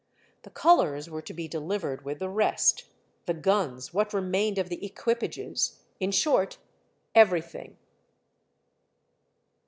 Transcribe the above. The colors were to be delivered with the rest, the guns, what remained of the equipages, — in short, everything.